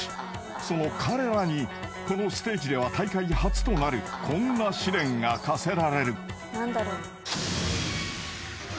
［その彼らにこのステージでは大会初となるこんな試練が課せられる］